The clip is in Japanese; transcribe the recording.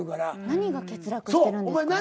何が欠落してるんですか？